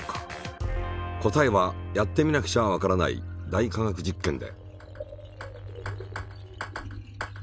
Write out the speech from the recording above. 答えはやってみなくちゃわからない「大科学実験」で。